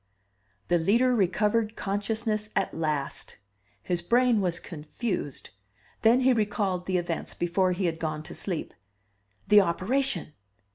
THE LEADER RECOVERED CONSCIOUSNESS AT LAST. His brain was confused then he recalled the events before he had gone to sleep. The operation!